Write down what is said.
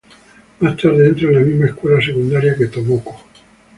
Más tarde entra en la misma escuela secundaria que Tomoko.